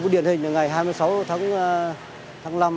điển hình ngày hai mươi sáu tháng sáu